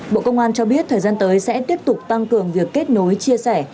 bộ công an cho biết thời gian tới sẽ tiếp tục tăng cường việc kết nối chia sẻ